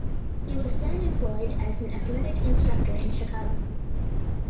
He then was employed as an athletic instructor in Chicago.